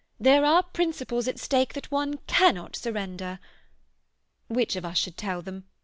There are principles at stake that one cannot surrender. Which of us should tell them?